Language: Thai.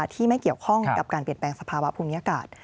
ที่ไม่เกี่ยวข้องกับการเปลี่ยนแปลงสภาวะภูมิอากาศ